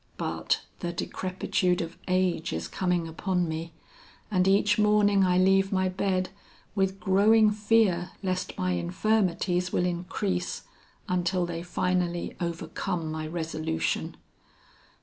But the decrepitude of age is coming upon me, and each morning I leave my bed, with growing fear lest my infirmities will increase until they finally overcome my resolution.